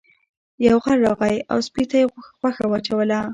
یو غل راغی او سپي ته یې غوښه واچوله.